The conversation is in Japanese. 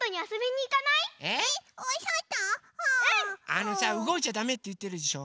あのさうごいちゃダメっていってるでしょ。